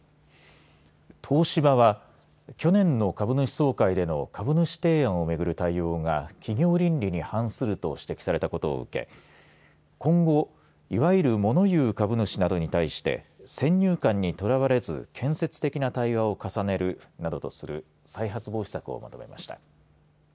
東芝は去年の株主総会での株主提案をめぐる対応が企業倫理に反すると指摘されたことを受け今後、いわゆるモノ言う株主などに対して先入観にとらわれず建設的な対話を重ねるなどとする再発防止策をまとめました。